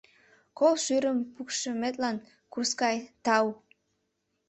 — Кол шӱрым пукшыметлан, курскай, тау!